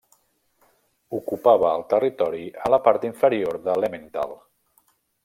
Ocupava el territori a la part inferior de l'Emmental.